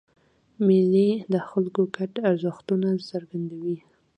مېلې د خلکو ګډ ارزښتونه څرګندوي.